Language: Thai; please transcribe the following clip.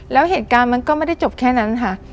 แล้วเหตุการณ์มันก็ไม่ได้จบแค่นั้นค่ะ